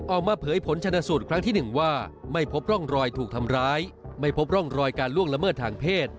เผยผลชนสูตรครั้งที่๑ว่าไม่พบร่องรอยถูกทำร้ายไม่พบร่องรอยการล่วงละเมิดทางเพศ